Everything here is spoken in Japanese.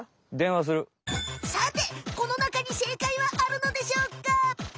さてこの中に正解はあるのでしょうか？